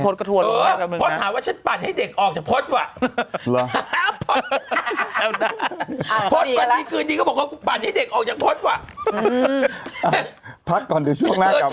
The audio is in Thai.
โดนเหี่ยวนะพี่พลดก็ทั่วแล้วครับ